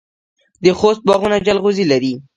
د خوست باغونه جلغوزي لري.